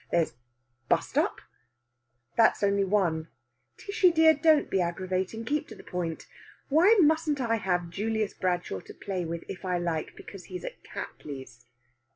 There's bust up." "That's only one." "Tishy dear, don't be aggravating! Keep to the point. Why mustn't I have Julius Bradshaw to play with if I like because he's at Cattley's?"